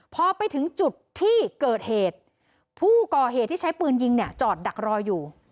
พอไปถึงจุดที่เกิดเหตุผู้ก่อเหตุที่ใช้ปืนยิงเนี่ยจอดดักรออยู่